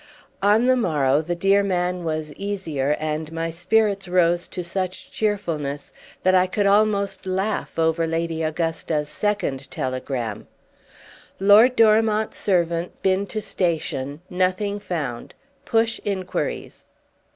On the morrow the dear man was easier, and my spirits rose to such cheerfulness that I could almost laugh over Lady Augusta's second telegram: "Lord Dorimont's servant been to station—nothing found. Push enquiries."